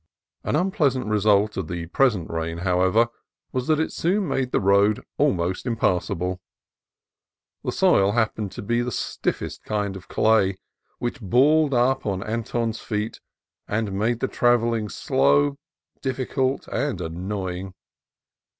An unpleasant result of the present rain, however, was that it soon made the road almost impassable. The soil happened to be the stiffest kind of clay, which balled up on Anton's feet, and made the trav elling slow, difficult, and annoying.